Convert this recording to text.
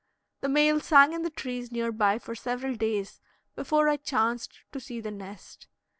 The male sang in the trees near by for several days before I chanced to see the nest.